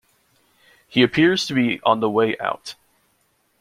He appears to be on the way out.